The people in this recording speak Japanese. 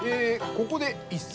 ここで一席。